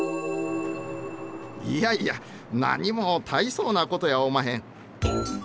いやいや何も大層なことやおまへん。